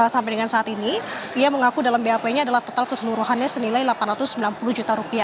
sampai dengan saat ini ia mengaku dalam bap nya adalah total keseluruhannya senilai rp delapan ratus sembilan puluh juta